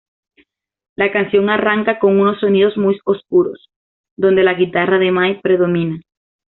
La canción arranca con unos sonidos muy oscuros, donde la guitarra de Mai predomina.